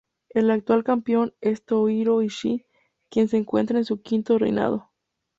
El actual campeón es Tomohiro Ishii quien se encuentra en su quinto reinado.